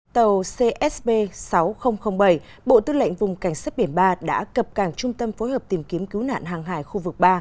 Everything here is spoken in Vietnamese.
tàu csb sáu nghìn bảy bộ tư lệnh vùng cảnh sát biển ba đã cập cảng trung tâm phối hợp tìm kiếm cứu nạn hàng hải khu vực ba